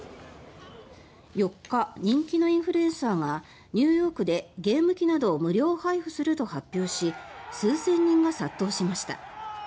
４日人気のインフルエンサーがニューヨークでゲーム機などを無料配布すると発表し数千人が殺到しました。